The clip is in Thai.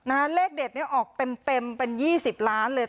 นะฮะเลขเด็ดเนี่ยออกเต็มเต็มเป็นยี่สิบล้านเลย